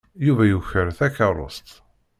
Yuba yuker takeṛṛust.